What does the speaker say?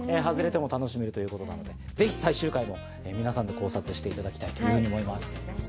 外れても楽しめるということなのでぜひ最終回も皆さんで考察していただきたいと思います。